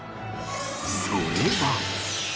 それは